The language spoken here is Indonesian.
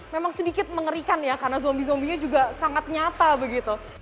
memang sedikit mengerikan ya karena zombie zombie nya juga sangat nyata begitu